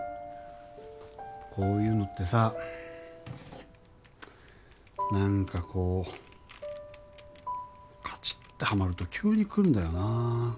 こういうのってさなんかこうカチッっとはまると急に来るんだよな。